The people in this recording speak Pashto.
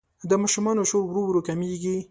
د ماشومانو شور ورو ورو کمېږي.